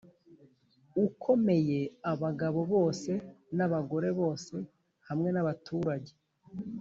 Ukomeye abagabo bose n abagore bose hamwe n abaturage